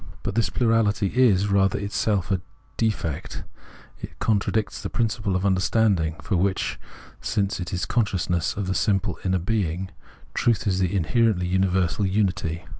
But this pluiahty is rather itself a defect ; it contradicts the principle of understanding, for which, since it is consciousness of the simple inner being, truth is the inherently universal unity.